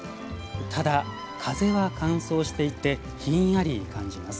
ただ風は乾燥していてひんやり感じます。